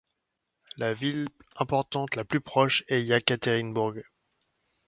La ville importante la plus proche est Iekaterinbourg.